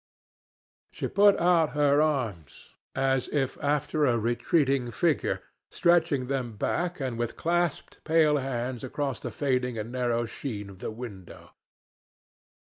"She put out her arms as if after a retreating figure, stretching them black and with clasped pale hands across the fading and narrow sheen of the window.